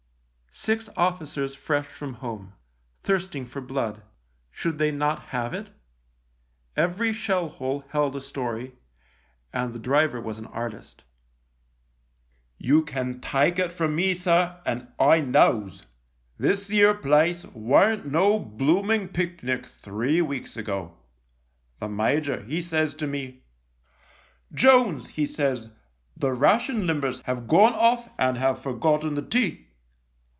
Six officers fresh from home — thirsting for blood — should they not have it ? Every shell hole held a story, and the driver was an artist. " You can take it from me, sir, and I knows. This 'ere place weren't no blooming picnic three weeks ago. The major, he says to me, ' Jones,' he says, ' the ration limbers have gone off and have forgotten the tea.